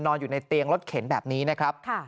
อยู่ในเตียงรถเข็นแบบนี้นะครับ